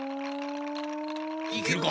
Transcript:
いけるか？